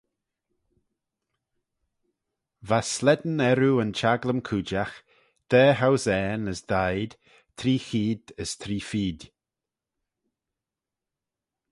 Va slane earroo yn chaglym-cooidjagh daa housane as da-eed three cheead as three-feed.